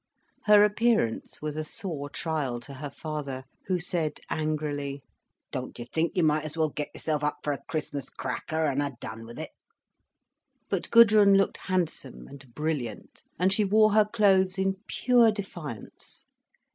Her appearance was a sore trial to her father, who said angrily: "Don't you think you might as well get yourself up for a Christmas cracker, an' ha' done with it?" But Gudrun looked handsome and brilliant, and she wore her clothes in pure defiance.